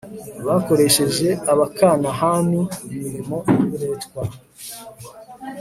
bakoresheje abakanahani imirimo y'uburetwa